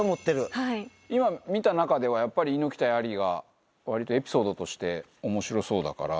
今、見た中ではやっぱり、猪木対アリがわりとエピソードとしておもしろそうだから。